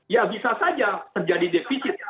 ya bisa saja terjadi defisit